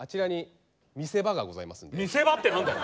見せ場って何だよ。